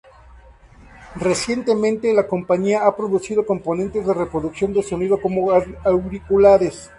Recientemente, la compañía ha producido componentes de reproducción de sonido como auriculares.